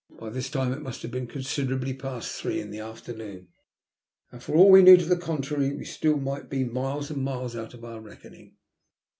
By this time it must have been considerably past three in the afternoon, and for all we knew to the contrary we might still be miles and miles out of our reckoning.